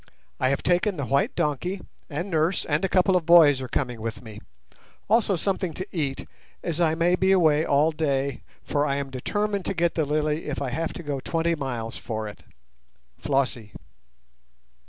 I have taken the white donkey; and nurse and a couple of boys are coming with me—also something to eat, as I may be away all day, for I am determined to get the lily if I have to go twenty miles for it.—FLOSSIE."